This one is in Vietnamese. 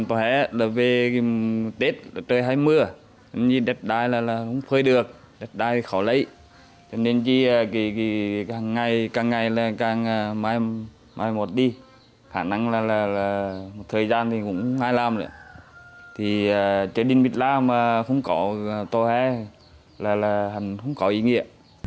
thì chợ đình bích la mà không có tòa hè là không có ý nghĩa